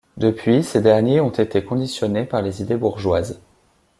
Depuis ces derniers ont été conditionnés par les idées bourgeoises.